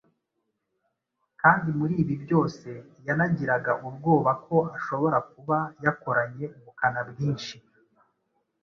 kandi muri ibi byose yanagiraga ubwoba ko ashobora kuba yakoranye ubukana bwinshi.